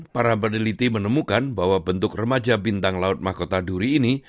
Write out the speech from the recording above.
para peneliti menemukan bahwa bentuk remaja bintang laut mahkota duri ini